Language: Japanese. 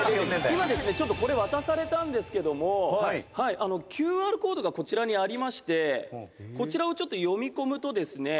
今ですねちょっとこれ渡されたんですけどもＱＲコードがこちらにありましてこちらをちょっと読み込むとですね